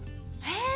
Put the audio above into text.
へえ！